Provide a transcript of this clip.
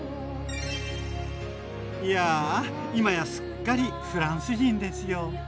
いや今やすっかりフランス人ですよ。